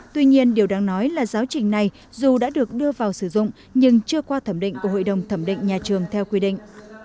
tuy nhiên điều đáng nói là giáo trình này dù đã được đưa vào sử dụng nhưng chưa qua thẩm định của hội đồng thẩm định nhà trường theo quy định